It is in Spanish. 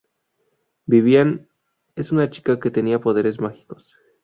Vivian es una chica que tiene poderes mágicos.